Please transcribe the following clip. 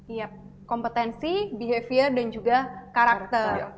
iya kompetensi behavior dan juga karakter